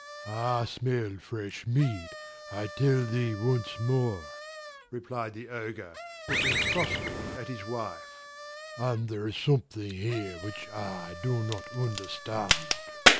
"I smell fresh meat, I tell thee once more," replied the Ogre, looking crossly at his wife, "and there is something here which I do not understand."